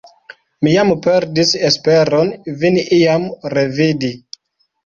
Mi jam perdis esperon vin iam revidi!